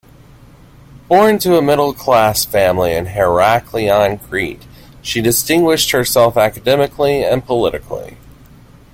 Born to a middle-class family in Heraklion, Crete, she distinguished herself academically and politically.